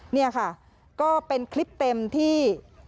นี่ค่ะก็เป็นคลิปเต็มที่